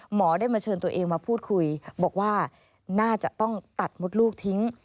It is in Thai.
หมอได้มาเชิญตัวเองมาพูดคุยบอกว่าน่าจะต้องตัดมดลูกทิ้ง